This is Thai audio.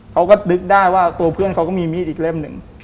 เขาก็นึกได้ว่าตัวเพื่อนเขาก็มีมีดอีกเล่มหนึ่ง